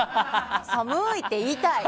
寒いって言いたい！